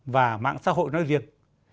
và mạng xã hội nói riêng